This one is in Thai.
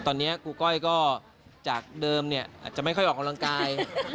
ตอนนี้ครูก้อยก็จากเดิมเนี่ยอาจจะไม่ค่อยออกกำลังกาย